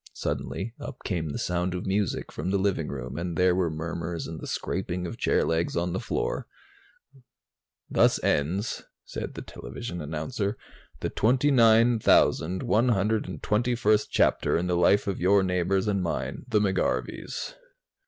Suddenly, up came the sound of music from the living room and there were murmurs and the scraping of chair legs on the floor. "Thus ends," said the television announcer, "the 29,121st chapter in the life of your neighbors and mine, the McGarveys."